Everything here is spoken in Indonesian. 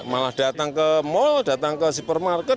malah datang ke mall datang ke supermarket